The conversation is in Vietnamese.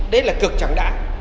đấy là cực chẳng đã